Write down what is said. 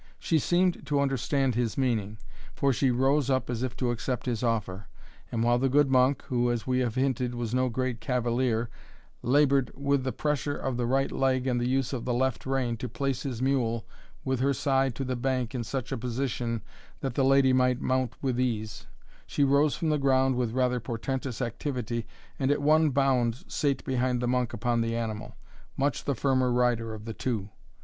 She seemed to understand his meaning, for she rose up as if to accept his offer; and while the good monk, who, as we have hinted, was no great cavalier, laboured, with the pressure of the right leg and the use of the left rein, to place his mule with her side to the bank in such a position that the lady might mount with ease, she rose from the ground with rather portentous activity, and at one bound sate behind the monk upon the animal, much the firmer rider of the two.